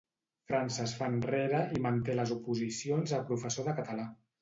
França es fa enrere i manté les oposicions a professor de català.